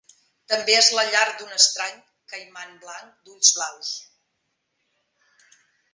També és la llar d'un estrany caiman blanc d'ulls blaus.